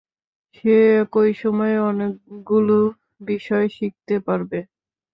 সে একই সময়ে অনেকগুলো বিষয় শিখতে পারবে।